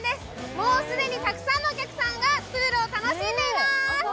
もう既にたくさんのお客さんがプールを楽しんでいます。